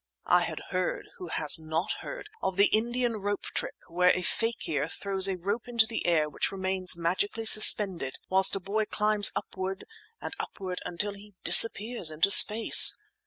I had heard—who has not heard?—of the Indian rope trick, where a fakir throws a rope into the air which remains magically suspended whilst a boy climbs upward and upward until he disappears into space.